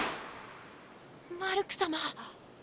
マルク様。